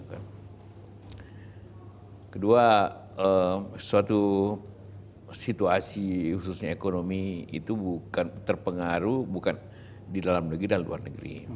kedua suatu situasi khususnya ekonomi itu bukan terpengaruh bukan di dalam negeri dan luar negeri